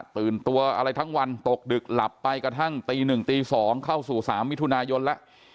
ตื่นตัวอะไรทั้งวันตกดึกหลับไปกระทั่งตี๑ตี๒เข้าสู่๓มิถุนายนแล้ว